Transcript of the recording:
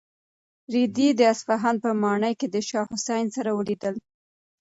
رېدي د اصفهان په ماڼۍ کې د شاه حسین سره ولیدل.